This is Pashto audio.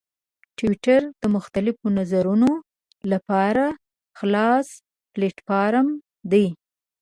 ټویټر د مختلفو نظرونو لپاره خلاص پلیټفارم دی.